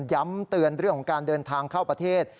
เตือนเรื่องของการเดินทางเข้าประเทศ